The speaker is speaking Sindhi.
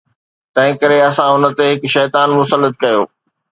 تنهنڪري اسان هن تي هڪ شيطان مسلط ڪيو